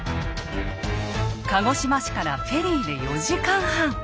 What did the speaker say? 鹿児島市からフェリーで４時間半。